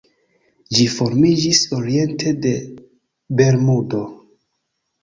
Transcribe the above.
Ĝi formiĝis oriente de Bermudo.